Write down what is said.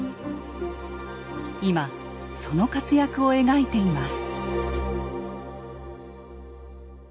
今その活躍を描いています。